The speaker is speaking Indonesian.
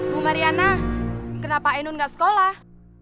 bu mariana kenapa ainun gak sekolah